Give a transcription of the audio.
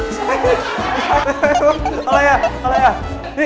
ใช่